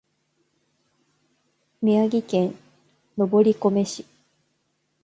宮城県登米市